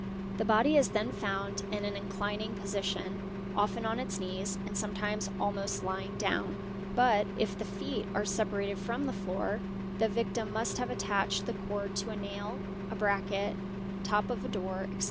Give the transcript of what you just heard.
The body is then found in an inclining Osition, often on its knees, and sometimes almost lying down; but if the feet are separated from the floor, the victim must have attached the i) d to a nail, a bracket, top of a door, etc.